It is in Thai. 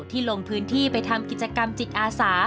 ลงพื้นที่ไปทำกิจกรรมจิตอาสา